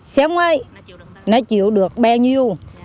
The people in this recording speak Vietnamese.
xem ngay nó chịu được bao nhiêu